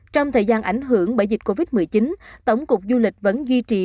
trong thời gian ảnh hưởng bởi dịch covid một mươi chín tổng cục du lịch vẫn duy trì